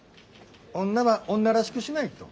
女は女らしくしないと。